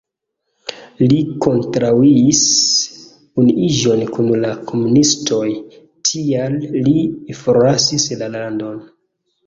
Li kontraŭis unuiĝon kun la komunistoj, tial li forlasis la landon.